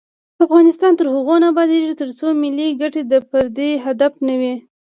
افغانستان تر هغو نه ابادیږي، ترڅو ملي ګټې د فردي هدف نه وي.